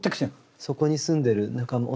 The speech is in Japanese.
そこに住んでる仲間？